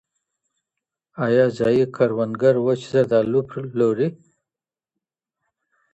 ایا ځايي کروندګر وچ زردالو پلوري؟